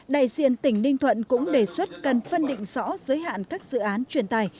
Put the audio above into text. đại diện tỉnh ninh thuận cũng đề xuất cần phân định rõ giới hạn các dự án truyền tài